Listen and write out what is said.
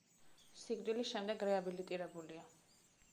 სიკვდილის შემდეგ რეაბილიტირებულია.